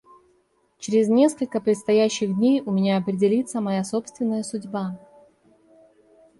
Через несколько предстоящих дней у меня определится моя собственная судьба.